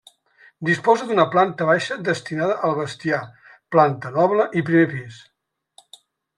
Disposa d'una planta baixa destinada al bestiar, planta noble i primer pis.